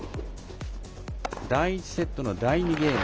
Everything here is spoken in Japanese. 第１セットの第２ゲーム。